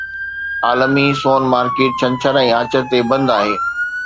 عالمي سون مارڪيٽ ڇنڇر ۽ آچر تي بند آهي